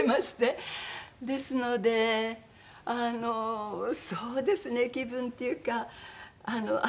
ですのであのそうですね気分っていうかあ